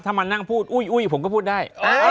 ถ้ามานั่งพูดอุ้ยผมก็พูดได้